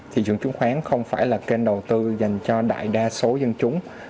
thị trường chứng khoán không phải là kênh đầu tư dành cho đại đa số dân chúng